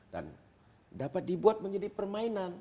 dan dapat dibuat menjadi permainan